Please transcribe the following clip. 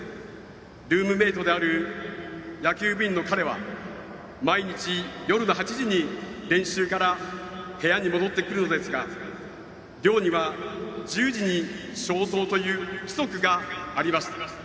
ルームメートである野球部員の彼は毎日、夜の８時に練習から部屋に戻ってくるのですが寮には１０時に消灯という規則がありました。